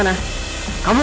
kenapa bang jaka